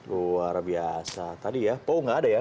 luar biasa tadi ya pau nggak ada ya